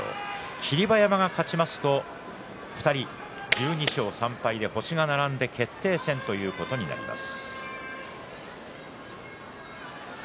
霧馬山が勝ちますと２人１２勝３敗で星が並んで決定戦ということになります。